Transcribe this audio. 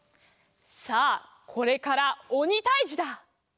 さあこれからおにたいじだ。